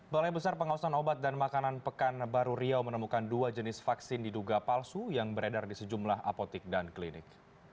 balai besar pengawasan obat dan makanan pekanbaru riau menemukan dua jenis vaksin diduga palsu yang beredar di sejumlah apotik dan klinik